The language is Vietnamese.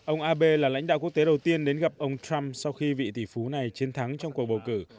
ông abe là lãnh đạo quốc tế đầu tiên đến gặp ông trump sau khi vị tỷ phú này chiến thắng trong cuộc bầu cử